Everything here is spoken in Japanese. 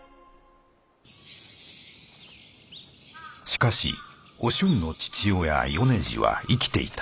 しかしお俊の父親米次は生きていた。